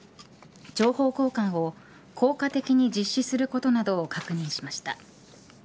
情報交換を効果的に実施することなどを確認しました。